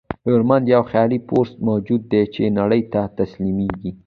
هنرمند یو خیال پرست موجود دی چې نړۍ ته تسلیمېږي.